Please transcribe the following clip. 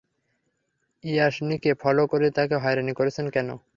ইয়াশনিকে follow করে তাকে হয়রানি করছেন কেন?